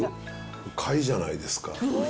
買いじゃないですか。